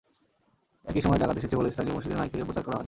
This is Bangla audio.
একই সময় ডাকাত এসেছে বলে স্থানীয় মসজিদের মাইক থেকে প্রচার করা হয়।